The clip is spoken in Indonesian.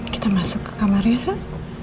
kita masuk ke kamar ya sam